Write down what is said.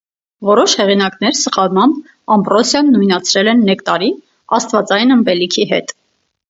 Որոշ հեղինակներ սխալմամբ ամբրոսիան նույնացրել են նեկտարի՝ աստվածային ըմպելիքի հետ։